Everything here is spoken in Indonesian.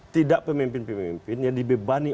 tidak pemimpin pemimpin yang dibebani